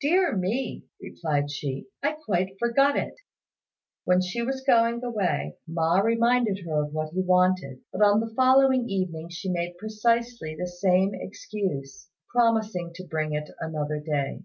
"Dear me!" replied she, "I quite forgot it." When she was going away, Ma reminded her of what he wanted, but on the following evening she made precisely the same excuse, promising to bring it another day.